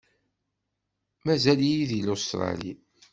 Mazal-iyi di Lustṛali.